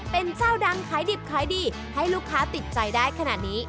เป็นเจ้าดังขายดิบขายดีให้ลูกค้าติดใจได้ขนาดนี้